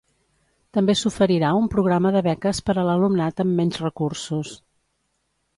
També s'oferirà un programa de beques per a l'alumnat amb menys recursos.